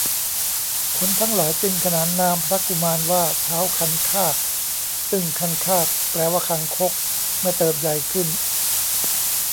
คนทั้งหลายจึงขนานนามพระกุมารว่า ท้าวคันคาก ซึ่งคันคาก แปลว่าคางคก เมื่อเติบใหญ่ขึ้น